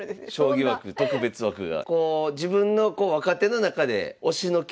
将棋枠特別枠が。